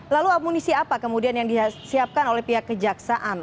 lalu amunisi apa kemudian yang disiapkan oleh pihak kejaksaan